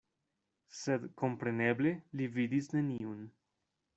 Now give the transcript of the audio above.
Sed kompreneble li vidis neniun.